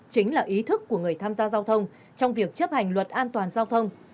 và ý thức của người tham gia giao thông trong việc chấp hành luật an toàn giao thông